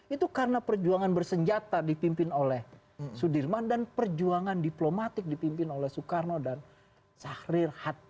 itu karena perjuangan bersenjata dipimpin oleh sudirman dan perjuangan diplomatik dipimpin oleh soekarno dan syahrir hatta